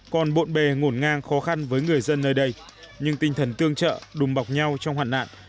còn bộn bề ngổn ngang khó khăn với người dân nơi đây nhưng tinh thần tương trợ đùm bọc nhau trong hoạn nạn